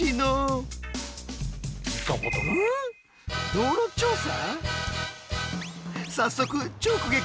道路調査？